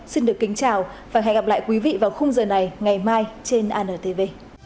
xin được kính chào và hẹn gặp lại quý vị vào khung giờ này ngày mai trên antv